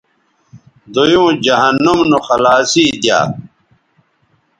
دویوں جہنم نو خلاصی دی یا